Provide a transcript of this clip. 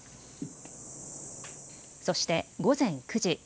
そして午前９時。